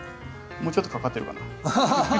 もうちょっとかかってるかな？